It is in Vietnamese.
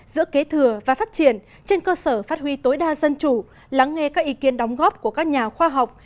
giữa kế thừa và phát triển trên cơ sở phát huy tối đa dân chủ lắng nghe các ý kiến đóng góp của các nhà khoa học